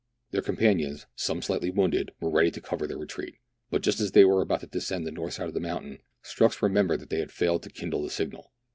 Their companions, some slightly wounded, were ready to cover their retreat, but just as they were about to descend the north side of the mountain, Strux remembered that they had failed to kindle the signal.